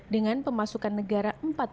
dengan pemasukan negara empat puluh empat